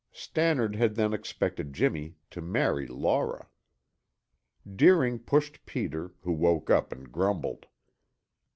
Stannard had then expected Jimmy to marry Laura. Deering pushed Peter, who woke up and grumbled.